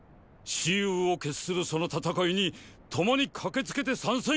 雌雄を決するその戦いに共に駆けつけて参戦